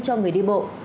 cho người đi bộ